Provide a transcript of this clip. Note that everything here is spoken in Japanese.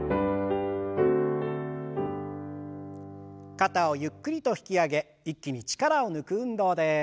肩をゆっくりと引き上げ一気に力を抜く運動です。